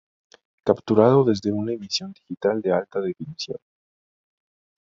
Capturado desde una emisión digital de alta definición.